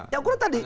yang ukuran tadi